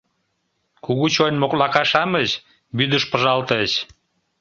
Кугу чойн моклака-шамыч вӱдыш пыжалтыч...